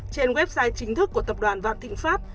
trên website chính thức của tập đoàn vạn thịnh pháp